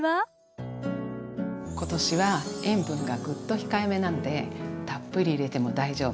今年は塩分がぐっと控えめなのでたっぷり入れても大丈夫。